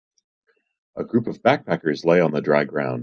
a group of backpackers lay on the dry ground.